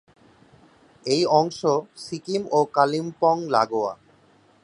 এই অংশ সিকিম ও কালিম্পং লাগোয়া।